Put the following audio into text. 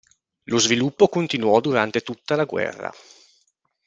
Lo sviluppo continuò durante tutta la guerra.